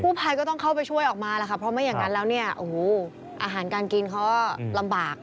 ภัยก็ต้องเข้าไปช่วยออกมาแล้วค่ะเพราะไม่อย่างนั้นแล้วเนี่ยโอ้โหอาหารการกินเขาก็ลำบาก